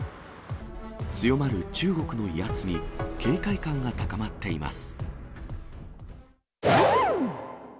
強まる中国の威圧に警戒感が高まっています。